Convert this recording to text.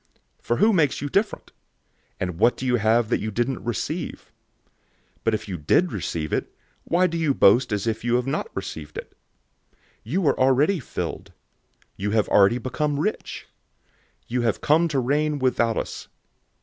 004:007 For who makes you different? And what do you have that you didn't receive? But if you did receive it, why do you boast as if you had not received it? 004:008 You are already filled. You have already become rich. You have come to reign without us.